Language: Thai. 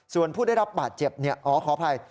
ส่วนผู้ได้รับบาดเจ็บอ๋อขออภัย